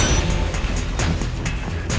bahas faham marina